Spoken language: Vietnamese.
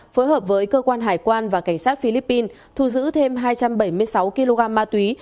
phối hợp với cơ quan hải quan và cảnh sát philippines thu giữ thêm hai trăm bảy mươi sáu kg ma túy